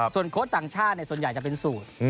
ส่วนโค้ชต่างชาติส่วนใหญ่จะเป็นสูตร